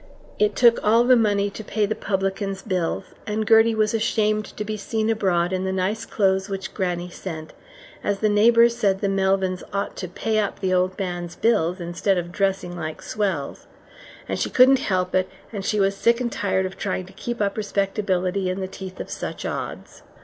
It took all the money to pay the publican's bills, and Gertie was ashamed to be seen abroad in the nice clothes which grannie sent, as the neighbours said the Melvyns ought to pay up the old man's bills instead of dressing like swells; and she couldn't help it, and she was sick and tired of trying to keep up respectability in the teeth of such odds.